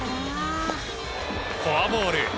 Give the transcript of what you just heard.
フォアボール。